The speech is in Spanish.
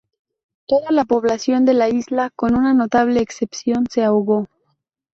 Toda la población de la isla, con una notable excepción, se ahogó.